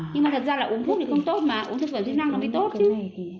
nhưng mà thật ra là uống thuốc thì không tốt mà uống thực phẩm chức năng nó mới tốt